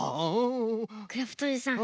クラフトおじさん